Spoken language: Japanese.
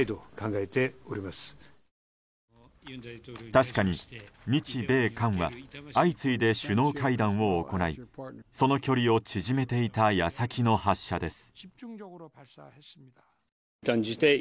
確かに、日米韓は相次いで首脳会談を行いその距離を縮めていた矢先の発射です。